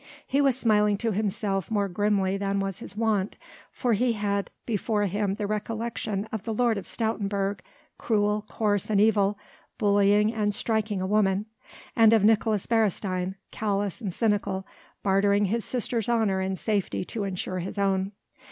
He was smiling to himself more grimly than was his wont, for he had before him the recollection of the Lord of Stoutenburg cruel, coarse, and evil, bullying and striking a woman and of Nicolaes Beresteyn callous and cynical, bartering his sister's honour and safety to ensure his own.